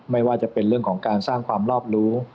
ไม่ว่าจะเป็นเรื่องของการสร้างความรอบรู้